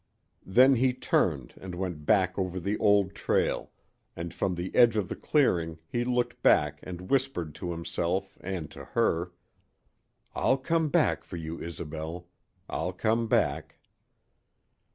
Then he turned and went back over the old trail, and from the edge of the clearing he looked back and whispered to himself and to her: "I'll come back for you, Isobel. I'll come back."